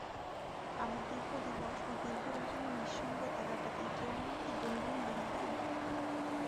আমার দীর্ঘ দিবস ও দীর্ঘ রজনীর নিঃসঙ্গতা কাটাতে কেউ আমাকে দুই লাইন লিখবেন?